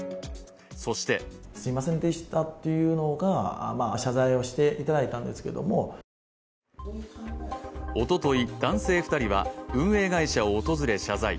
そしておととい、男性２人は運営会社を訪れ謝罪。